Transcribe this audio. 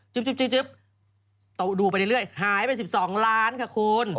จึ๊บดูไปเรื่อยหายไป๑๒ล้านบาทค่ะคุณ